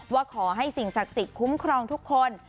ว่าขอให้สิ่งศักดิ์สิทธิ์คุ้มครองทุกคน